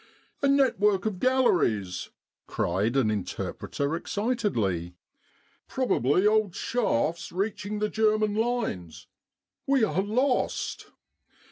" A network of galleries," cried an inter preter excitedly. " Probably old shafts reach ing the German lines. We are lost."